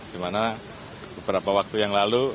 dimana beberapa waktu yang lalu